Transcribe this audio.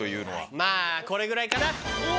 まぁこれぐらいかな。